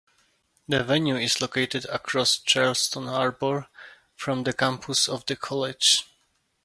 The venue is located across Charleston Harbor from the campus of the college.